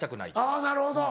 あぁなるほど。